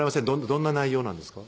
どんな内容なんですか？